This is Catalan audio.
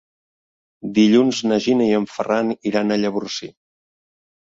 Dilluns na Gina i en Ferran iran a Llavorsí.